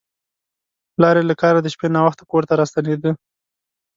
پلار یې له کاره د شپې ناوخته کور ته راستنېده.